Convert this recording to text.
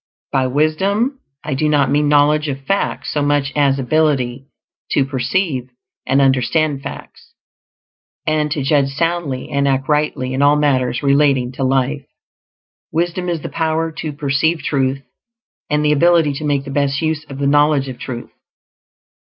By wisdom I do not mean knowledge of facts so much as ability to perceive and understand facts, and to judge soundly and act rightly in all matters relating to life. Wisdom is the power to perceive truth, and the ability to make the best use of the knowledge of truth.